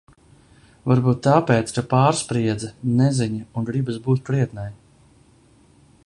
Varbūt tāpēc, ka pārspriedze, neziņa un gribas būt krietnai.